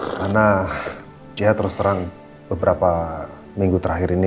karena ya terus terang beberapa minggu terakhir ini